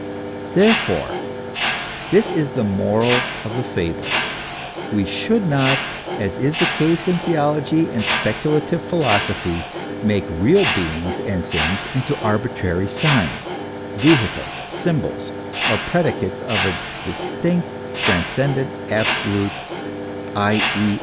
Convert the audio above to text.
Therefore this is the moral of the fable we should not, as is the case in theology and speculative philosophy, make real beings and things into arbitrary signs, vehicles, symbols, or predicates of a distinct, transcendant, absolute, i. e.